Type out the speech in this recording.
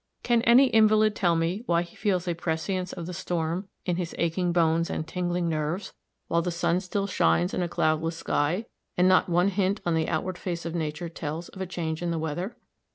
Can any invalid tell me why he feels a prescience of the storm in his aching bones and tingling nerves while the sun still shines in a cloudless sky, and not one hint on the outward face of nature tells of a change in the weather?